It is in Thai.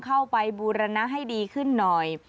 บูรณะให้ดีขึ้นหน่อย